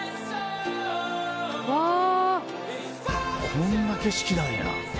こんな景色なんや。